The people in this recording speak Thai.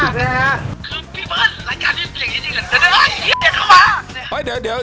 คือพี่เบิ้ลรายการที่เปลี่ยนจริง